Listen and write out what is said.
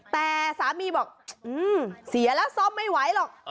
แต่สามีบอกเสียแล้วซ่อมไม่ไหวหรอก